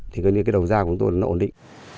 thì cái đầu da của chúng tôi nó ổn định